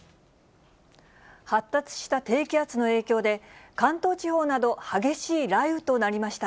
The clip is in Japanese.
発達した低気圧の影響で、関東地方など、激しい雷雨となりました。